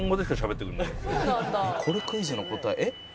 「これクイズの答ええっ？」